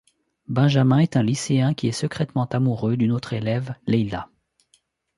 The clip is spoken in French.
Benjamin est un lycéen qui est secrètement amoureux d'une autre élève, Leila.